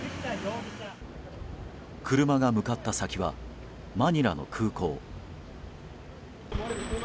車が向かった先はマニラの空港。